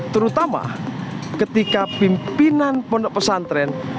terutama ketika pimpinan pondok pesantren